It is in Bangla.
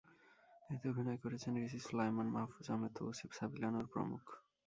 এতে অভিনয় করেছেন রিচি সোলায়মান, মাহফুজ আহমেদ, তৌসিফ, সাবিলা নূর প্রমুখ।